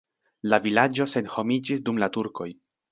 La vilaĝo senhomiĝis dum la turkoj.